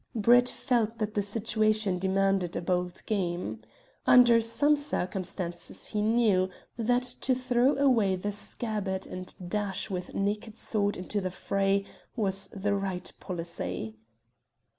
Brett felt that the situation demanded a bold game. Under some circumstances he knew that to throw away the scabbard and dash with naked sword into the fray was the right policy.